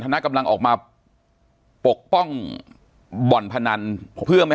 ปากกับภาคภูมิ